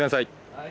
はい。